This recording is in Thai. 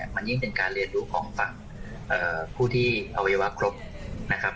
มันยิ่งเป็นการเรียนรู้ของฝั่งผู้ที่อวัยวะครบนะครับ